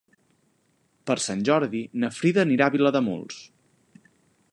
Per Sant Jordi na Frida anirà a Vilademuls.